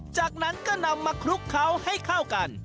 จากนั้นก็นำมาคลุกเคล้าให้เข้ากัน